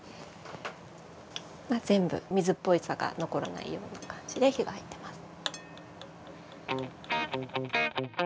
全部水っぽさが残らないような感じで火が入ってます。